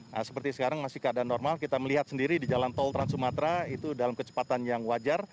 nah seperti sekarang masih keadaan normal kita melihat sendiri di jalan tol trans sumatera itu dalam kecepatan yang wajar